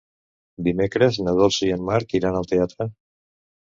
Dimecres na Dolça i en Marc iran al teatre.